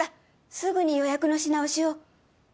すぐに予約のし直しを。